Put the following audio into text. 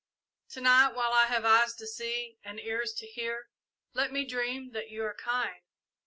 To night, while I have eyes to see and ears to hear, let me dream that you are kind.